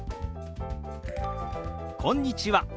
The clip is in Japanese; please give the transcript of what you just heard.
「こんにちは」。